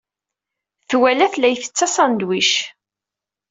Twala-t la ittett asandwic.